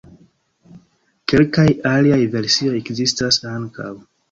Kelkaj aliaj versioj ekzistas ankaŭ.